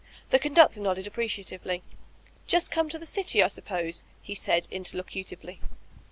The conductor nodded appreciatively. ^Just come to the dty, I suppose/' he said interlocutively.